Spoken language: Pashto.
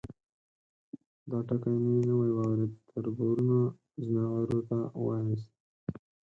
_دا ټکی مې نوی واورېد، تربرونه ، ځناورو ته واياست؟